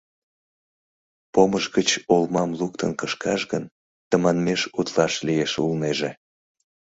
Помыш гыч олмам луктын кышкаш гын, тыманмеш утлаш лиеш улнеже.